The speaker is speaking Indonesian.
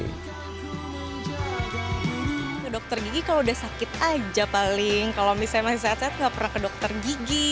ke dokter gigi kalau udah sakit aja paling kalau misalnya saya tidak pernah ke dokter gigi